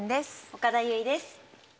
岡田結実です。